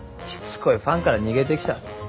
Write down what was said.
しつこいファンから逃げてきた。